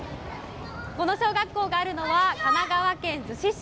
この小学校があるのは、神奈川県逗子市。